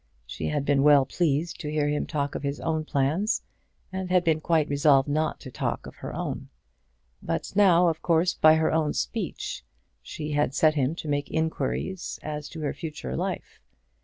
She had been well pleased to hear him talk of his plans, and had been quite resolved not to talk of her own. But now, by her own speech, she had set him to make inquiries as to her future life.